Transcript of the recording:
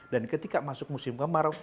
ketika masuk musim kemarau